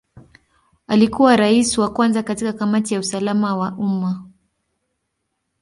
Alikuwa Rais wa kwanza katika Kamati ya usalama wa umma.